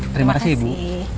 terima kasih ibu